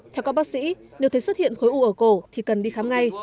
theo các bác sĩ nếu thấy xuất hiện khối u ở cổ thì cần đi khám ngay